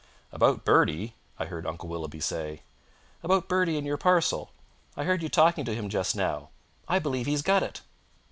"About Bertie?" I heard Uncle Willoughby say. "About Bertie and your parcel. I heard you talking to him just now. I believe he's got it."